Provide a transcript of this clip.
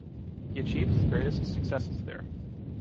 He achieved his greatest successes there.